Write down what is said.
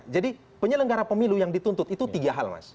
jadi penyelenggara pemilu yang dituntut itu tiga hal mas